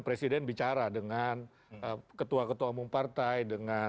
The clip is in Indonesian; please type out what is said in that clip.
presiden bicara dengan ketua ketua umum partai dengan